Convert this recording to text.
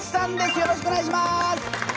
よろしくお願いします！